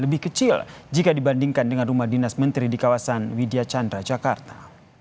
lebih kecil jika dibandingkan dengan rumah dinas menteri di kawasan widya chandra jakarta